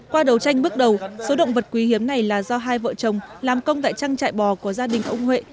qua đầu tranh bước đầu số động vật quý hiếm này là do hai vợ chồng làm công tại trang trại bò của gia đình ông huệ